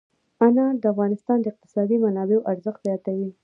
انار د افغانستان د اقتصادي منابعو ارزښت زیاتوي.